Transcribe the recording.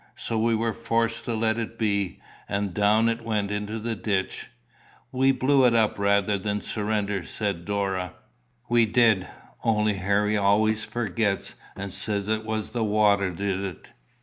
So we were forced to let it be, and down it went into the ditch." "We blew it up rather than surrender," said Dora. "We did; only Harry always forgets, and says it was the water did it."